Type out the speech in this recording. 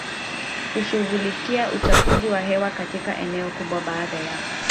kushughulikia uchafuzi wa hewa katika eneo kubwa Baada ya